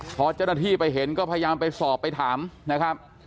พอเจ้าหน้าที่ไปเห็นก็พยายามไปสอบไปถามนะครับ